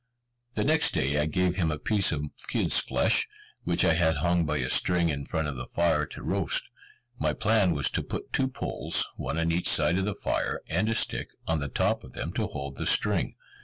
The next day I gave him a piece of kid's flesh, which I had hung by a string in front of the fire to roast. My plan was to put two poles, one on each side of the fire, and a stick, on the top of them to hold the string.